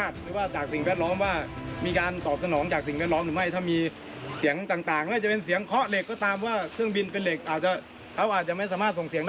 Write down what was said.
ถ้าเครื่องบินเสียงเคราะห์เหล็กก็ตามว่าเครื่องบินเป็นเหล็กเขาอาจจะไม่สามารถส่งเสียงได้